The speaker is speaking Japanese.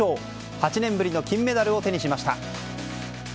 ８年ぶりの金メダルを手にしました。